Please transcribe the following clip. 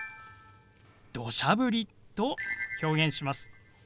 「どしゃ降り」と表現します。